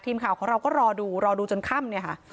ทีมข่าวของเราก็รอดูรอดูจนค่ำเนี่ยค่ะ